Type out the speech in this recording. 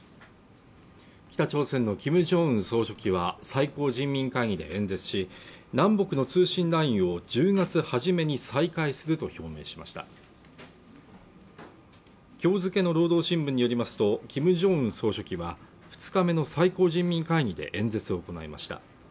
北朝鮮の金正恩総書記は最高人民会議で演説し南北の通信ラインを１０月初めに再開すると表明しました今日付の「労働新聞」によりますと金正恩総書記は２日目の最高人民会議で演説を行いました